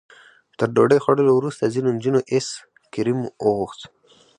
تر ډوډۍ خوړلو وروسته ځینو نجونو ایس کریم وغوښت.